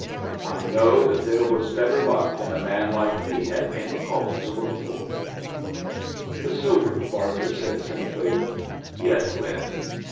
I know that there was better luck than a man like me had any call to look for." The sobered Barker said, simply, "Yes, Lin."